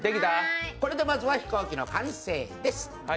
これでまずは飛行機完成です。